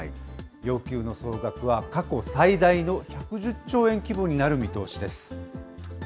要求の総額は過去最大の１１０兆円規模になる見通しです。